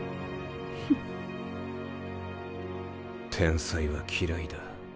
フ天才は嫌いだ。